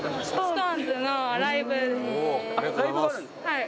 はい。